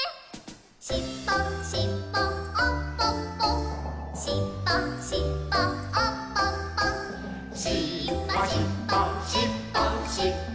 「しっぽしっぽおっぽっぽ」「しっぽしっぽおっぽっぽ」「しっぽしっぽしっぽしっぽ」